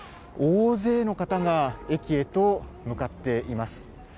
大勢の方が駅へと向かっています。